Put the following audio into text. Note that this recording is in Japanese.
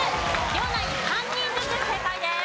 両ナイン３人ずつ正解です。